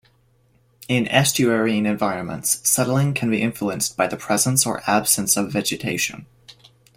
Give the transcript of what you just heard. In estuarine environments, settling can be influenced by the presence or absence of vegetation.